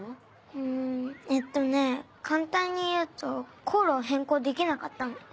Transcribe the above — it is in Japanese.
うんえっとね簡単に言うと航路を変更できなかったの。